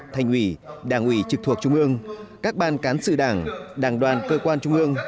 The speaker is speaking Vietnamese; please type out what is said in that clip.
thành ủy đảng ủy trực thuộc trung ương các ban cán sự đảng đảng đoàn cơ quan trung ương